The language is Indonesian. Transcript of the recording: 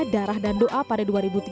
darah dan doa pada dua ribu tiga